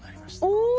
お！